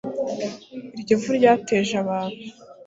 Iryo vu ryateje abantu